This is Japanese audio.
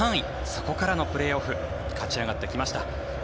そこからのプレーオフ勝ち上がってきました。